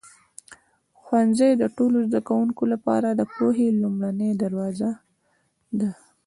ښوونځی د ټولو زده کوونکو لپاره د پوهې لومړنی دروازه دی.